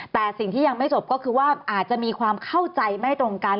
แต่สิ่งที่ยังไม่จบก็คือว่าอาจจะมีความเข้าใจไม่ตรงกัน